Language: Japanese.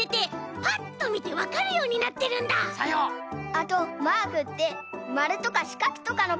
あとマークってまるとかしかくとかのかたちがおおいんだね。